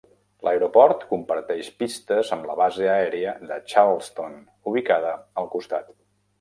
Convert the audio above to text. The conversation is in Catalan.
L'aeroport comparteix pistes amb la base aèria de Charleston, ubicada al costat.